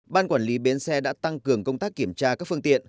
ban quản lý bến xe đã tăng cường công tác kiểm tra các phương tiện